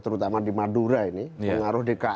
terutama di madura ini pengaruh dki